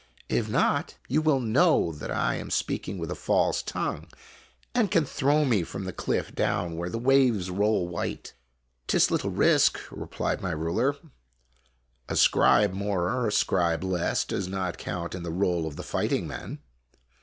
If not, you will know that I am speaking with a false tongue, and can throw me from the cliff down where the waves roll white." " 'T is little risk," replied my ruler ;" a scribe more or a scribe less does not count in the roll of the fighting men.